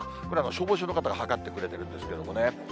これは消防署の方が測ってくれてるんですけどもね。